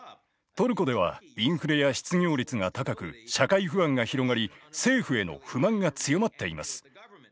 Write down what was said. トルコではインフレや失業率が高く社会不安が広がり政府への不満が強まっています。